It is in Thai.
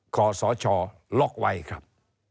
ขอสชล็อกไว้ครับ